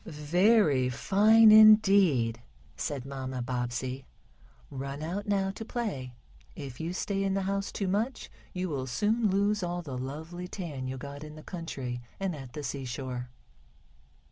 "Very fine Indeed," said Mamma Bobbsey. "Run out now to play. If you stay in the house too much you will soon lose all the lovely tan you got in the country, and at the seashore."